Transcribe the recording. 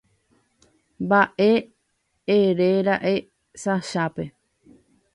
Mba'e eréra'e Sashape.